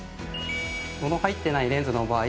度の入ってないレンズの場合